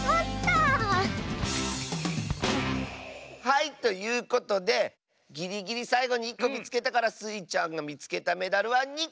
はいということでぎりぎりさいごに１こみつけたからスイちゃんがみつけたメダルは２こでした！